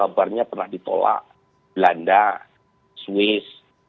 kabarnya pernah ditolak belanda swiss